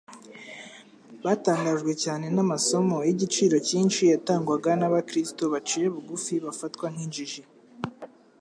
batangajwe cyane n'amasomo y'igiciro cyinshi yatangwaga n'abakristo baciye bugufi bafatwa nk'injiji.